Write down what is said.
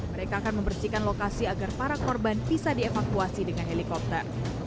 mereka akan membersihkan lokasi agar para korban bisa dievakuasi dengan helikopter